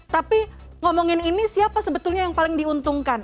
tapi ngomongin ini siapa sebetulnya yang paling diuntungkan